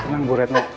tenang bu retno